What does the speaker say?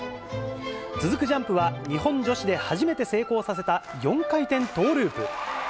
続くジャンプは、日本女子で初めて成功させた４回転トーループ。